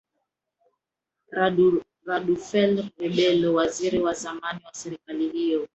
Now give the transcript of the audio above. radufel rebelo waziri wa zamani wa serikali hiyo